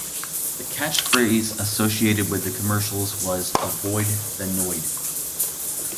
The catchphrase associated with the commercials was Avoid the Noid.